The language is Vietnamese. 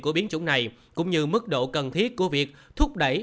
của biến chủng này cũng như mức độ cần thiết của việc thúc đẩy